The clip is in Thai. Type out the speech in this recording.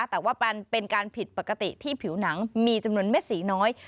แต่ว่าเป็นการผิดปกติที่ผิวหนังมีจำนวนเม็ดสีน้อย